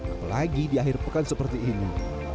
apa lagi di akhir pekan seperti ini